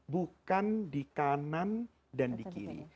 bukan di kanan dan di kiri